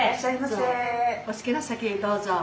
お好きな席へどうぞ。